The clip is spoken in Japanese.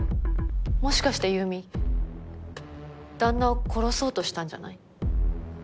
もしかして優美旦那を殺そうとしたんじゃない？